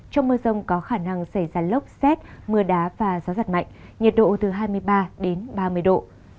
trong mưa rông có khả năng xảy ra lốc xét mưa đá và gió giật mạnh nhiệt độ từ hai mươi ba đến ba mươi độ